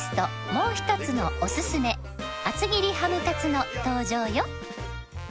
もう一つのおすすめ厚切りハムカツの登場よ！